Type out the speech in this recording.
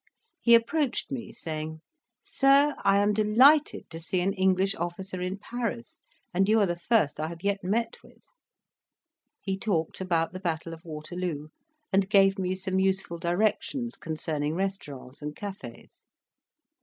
He approached me, saying, "Sir, I am delighted to see an English officer in Paris, and you are the first I have yet met with." He talked about the battle of Waterloo, and gave me some useful directions concerning restaurants and cafes.